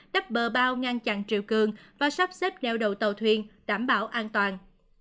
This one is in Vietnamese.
đắp bờ bao ngăn chặn triều cường và sắp xếp nêu đầu tàu thuyền đảm bảo an toàn